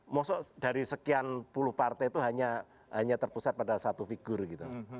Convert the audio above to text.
maksudnya dari sekian puluh partai itu hanya terpusat pada satu figur gitu